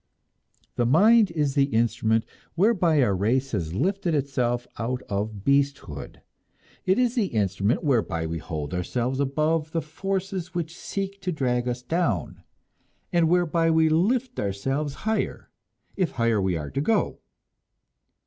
The mind is the instrument whereby our race has lifted itself out of beasthood. It is the instrument whereby we hold ourselves above the forces which seek to drag us down, and whereby we shall lift ourselves higher, if higher we are to go.